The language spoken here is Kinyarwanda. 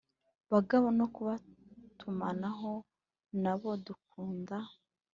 Bagabo no kubabatumanaho n abo dukunda